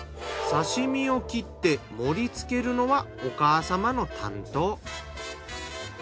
刺身を切って盛りつけるのはお母様の担当。